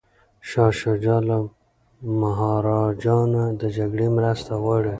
شاه شجاع له مهاراجا نه د جګړې مرسته غواړي.